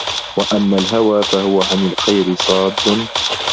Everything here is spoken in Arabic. وَأَمَّا الْهَوَى فَهُوَ عَنْ الْخَيْرِ صَادٌّ